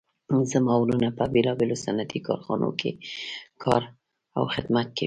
زما وروڼه په بیلابیلو صنعتي کارخانو کې کار او خدمت کوي